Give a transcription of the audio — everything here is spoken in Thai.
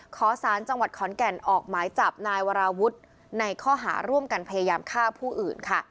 ขอสารจังหวัดขอนแก่นออกหมายจับนายวราวุฒิในข้อหาร่วมกันพยายามฆ่าผู้อื่นค่ะ